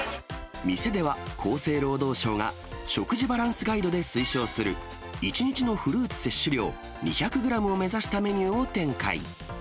店では、厚生労働省が食事バランスガイドで推奨する１日のフルーツ摂取量、２００グラムを目指したメニューを展開。